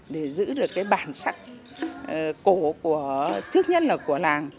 để giữ được cái bản sắc cổ của trước nhất là của nàng